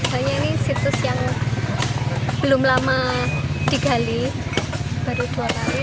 hanya ini situs yang belum lama digali baru dua kali